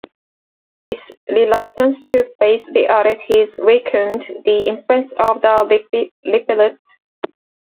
This reluctance to face realities weakened the influence of the Referat.